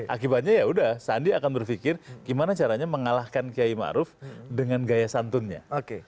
akibatnya yaudah sandi akan berpikir gimana caranya mengalahkan kiai ma'ruf dengan gaya santunnya